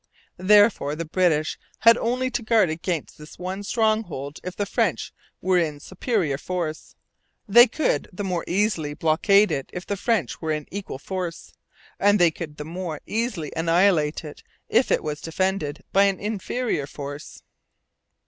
Therefore the British had only to guard against this one stronghold if the French were in superior force; they could the more easily blockade it if the French were in equal force; and they could the more easily annihilate it if it was defended by an inferior force.